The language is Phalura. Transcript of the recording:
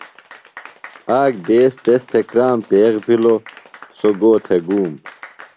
آک دیس تس تھےۡ کرام پیخ بِھلو سوۡ گو تھےۡ گُوم۔